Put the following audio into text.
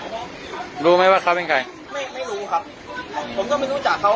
รู้ไหมรู้ไหมว่าเขาเป็นใครไม่รู้ครับผมก็ไม่รู้จักเขา